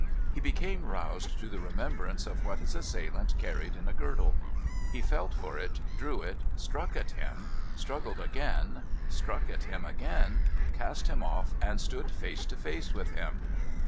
He became roused to the remembrance of what his assailant carried in a girdle. He felt for it, drew it, struck at him, struggled again, struck at him again, cast him off, and stood face to face with him.